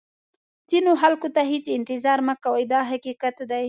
ځینو خلکو ته هېڅ انتظار مه کوئ دا حقیقت دی.